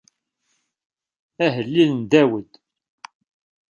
Ahellil n Dawed.